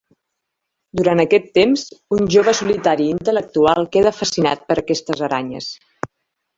Durant aquest temps, un jove solitari i intel·lectual queda fascinat per aquestes aranyes.